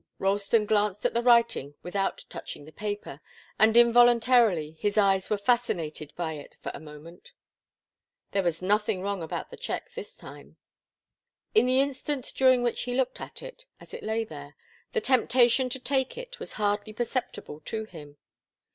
Ralston glanced at the writing without touching the paper, and involuntarily his eyes were fascinated by it for a moment. There was nothing wrong about the cheque this time. In the instant during which he looked at it, as it lay there, the temptation to take it was hardly perceptible to him.